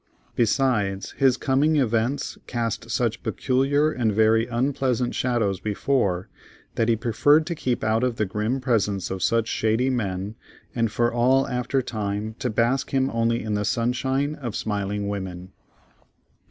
Besides, his coming events cast such peculiar and very unpleasant shadows before, that he preferred to keep out of the grim presence of such shady men, and for all after time to bask him only in the sunshine of smiling women.